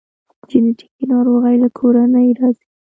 جنیټیکي ناروغۍ له کورنۍ راځي